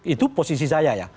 itu posisi saya ya